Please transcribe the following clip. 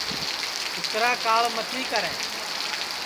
اِترا کاݪ متی کرے